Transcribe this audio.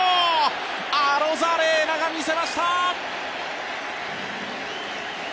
アロザレーナが見せました！